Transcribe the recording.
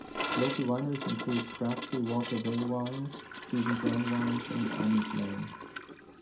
Local wineries include Crabtree Watervale Wines, Stephen John Wines and Annie's Lane.